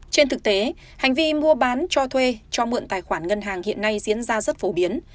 trên thực tế hành vi mua bán cho thuê cho mượn tài khoản ngân hàng hiện nay diễn ra rất phổ biến